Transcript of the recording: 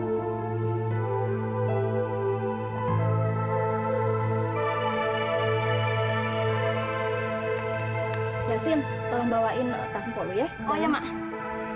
yasin tolong bawain tasnya ke lu ya